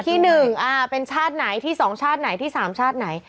ที่หนึ่งเป็นชาติไหนที่สองชาติไหนที่สามชาติไหน